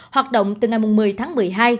hoạt động từ ngày một mươi tháng một mươi hai